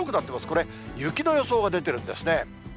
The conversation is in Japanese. これ、雪の予想が出てるんですね。